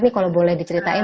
ini kalau boleh diceritain